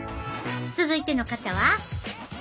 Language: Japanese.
続いての方は。